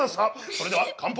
それでは乾杯！